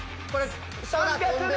３００ｍ！